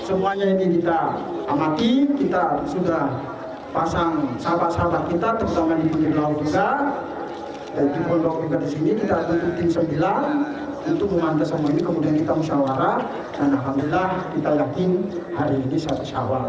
ibadah yang diikuti oleh ratusan jemaah ini berjalan lancar